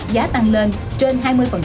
giá tăng lên trên hai mươi